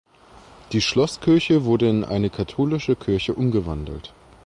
Die Schlosskirche wurde in eine katholische Kirche umgewandelt.